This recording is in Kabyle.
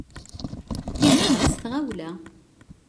Inehher s tɣawla.